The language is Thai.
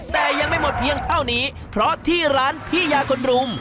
แต่ยังไม่หมดเพียงเท่านี้เพราะที่ร้านพี่ยาคนรุม